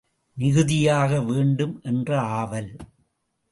மிகுதியாக வேண்டும் என்ற ஆவல்.